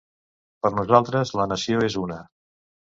Per nosaltres la nació és una.